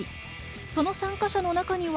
その参加者の中には。